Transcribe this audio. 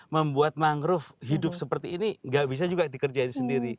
membuat mangrove hidup seperti ini gak bisa juga dikerjain sendiri